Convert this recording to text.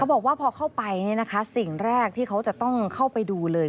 บอกว่าพอเข้าไปสิ่งแรกที่เขาจะต้องเข้าไปดูเลย